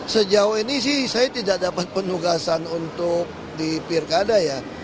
sejauh ini sih saya tidak dapat penugasan untuk di pirkada ya